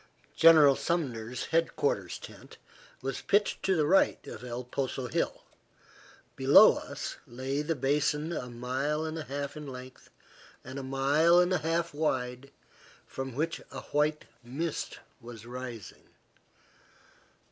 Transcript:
General Sumner's head quarters tent was pitched to the right of El Poso hill. Below us lay the basin a mile and a half in length, and a mile and a half wide, from which a white mist was rising.